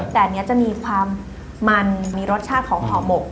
แต่อันนี้จะมีความมันมีรสชาติของห่อหมก